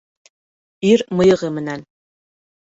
Ир мыйығы менән